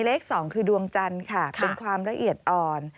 เลข๒คือดวงจันทร์ค่ะเป็นความละเอียดอ่อน